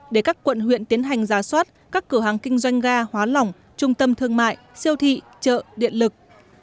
để các quận huyện tiến hành giá soát các cửa hàng kinh doanh ga hóa lỏng trung tâm thương mại siêu thị chợ điện lực